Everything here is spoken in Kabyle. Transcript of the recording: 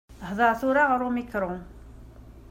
Hder tura ɣer umikru.